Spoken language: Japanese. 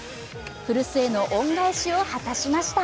古巣への恩返しを果たしました。